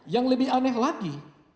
yang lebih aneh lagi